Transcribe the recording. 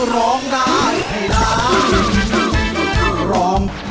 ร้องได้ให้ร้าน